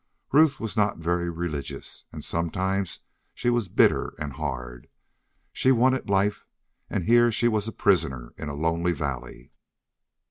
Ruth was not very religious, and sometimes she was bitter and hard. She wanted life, and here she was a prisoner in a lonely valley.